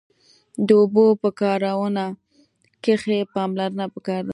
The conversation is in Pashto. د اوبو په کارونه کښی پاملرنه پکار ده